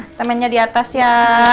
kita mainnya di atas ya